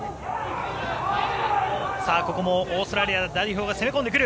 ここもオーストラリア代表が攻め込んでくる！